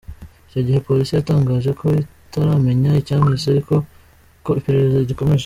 Icyo gihe Polisi yatangaje ko itaramenya icyamwishe ariko ko iperereza rigikomeje.